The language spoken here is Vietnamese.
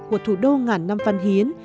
của thủ đô ngàn năm văn hiến